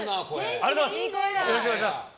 ありがとうございます！